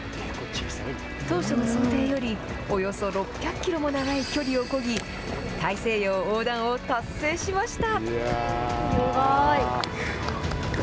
当初の想定よりおよそ６００キロも長い距離をこぎ、大西洋横断を達成しました。